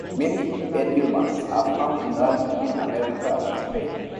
Many Edilmas are found in Latin America and Spain.